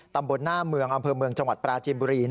ตำบลหน้าเมืองอำเภอเมืองจังหวัดปราจีนบุรี